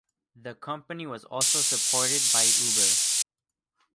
The company was also supported by Uber.